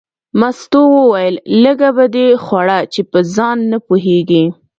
مستو وویل لږه به دې خوړه چې په ځان نه پوهېږې.